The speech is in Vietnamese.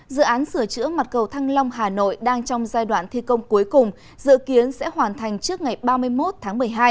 dự án sửa chữa mặt cầu thăng long hà nội đang trong giai đoạn thi công cuối cùng dự kiến sẽ hoàn thành trước ngày ba mươi một tháng một mươi hai